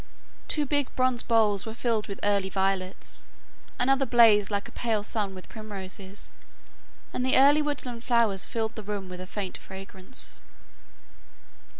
Two big bronze bowls were filled with early violets, another blazed like a pale sun with primroses, and the early woodland flowers filled the room with a faint fragrance.